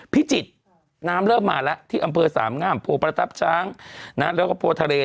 พิจิตรน้ำเริ่มมาแล้วที่อำเภอสามงามโพประทับช้างแล้วก็โพทะเล